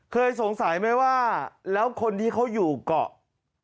เคยสงสัยไหมว่าแล้วคนที่เขาอยู่เกาะ